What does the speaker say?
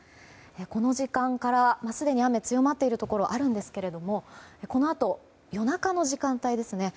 この時間からすでに雨が強まっているところがあるんですけどこのあと夜中の時間帯ですね